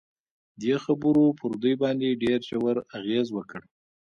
دې خبرو پر دوی باندې ډېر ژور اغېز وکړ